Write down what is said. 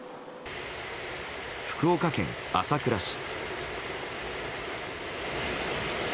福岡県朝倉市。